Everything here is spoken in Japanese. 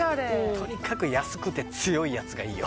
とにかく安くて強いやつがいいよ